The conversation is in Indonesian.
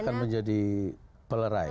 akan menjadi pelerai